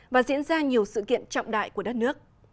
và diễn ra nhiều sự kiện trọng đại của đất nước